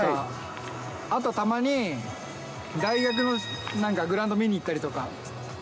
あとたまに、大学のグラウンド見に行ったりとか。